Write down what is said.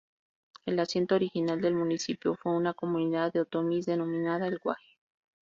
El asiento original del municipio fue una comunidad de otomíes denominada El Guaje.